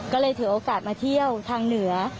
ก็เลยถือโอกาสมาเที่ยวทางเหนือ